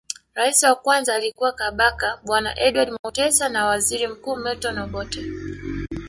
Rais wa kwanza alikuwa Kabaka bwana Edward Mutesa na waziri mkuu Milton Obote